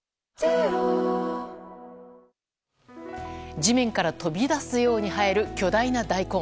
地面から飛び出すように生える巨大な大根。